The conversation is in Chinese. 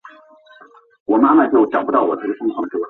资兴的农业以生产稻谷为主。